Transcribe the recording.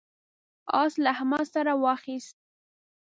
اس له احمده سر واخيست.